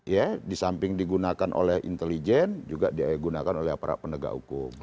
ya di samping digunakan oleh intelijen juga digunakan oleh aparat penegak hukum